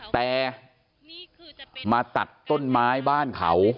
แต่มาตัดต้นไม้บ้านเขา